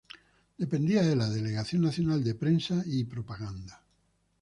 Dependía de la Delegación nacional de Prensa y Propaganda.